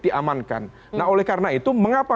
diamankan nah oleh karena itu mengapa